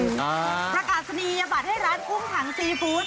ประกาศนียบัตรให้ร้านกุ้งถังซีฟู้ด